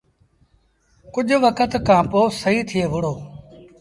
ڪجھ وکت کآݩ پو سهيٚ ٿئي وهُڙو۔